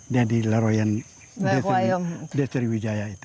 jadi leroyen de sriwijaya itu